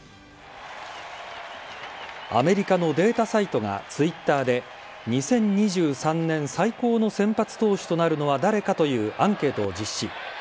アメリカのデータサイトがツイッターで、２０２３年最高の先発投手となるのは誰かというアンケートを実施。